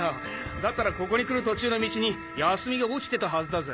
だったらここに来る途中の道に泰美が落ちてたはずだぜ。